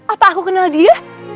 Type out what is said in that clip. apa aku kenal dia